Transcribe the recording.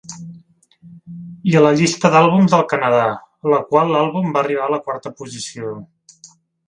I a la llista d'àlbums del Canadà, a la qual l'àlbum va arribar a la quarta posició.